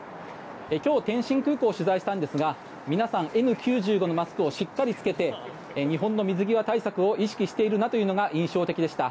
今日天津空港を取材したんですが皆さんＮ９５のマスクをしっかりつけて日本の水際対策を意識しているなというのが印象的でした。